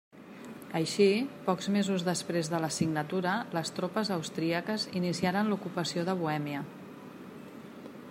Així, pocs mesos després de la signatura, les tropes austríaques iniciaren l'ocupació de Bohèmia.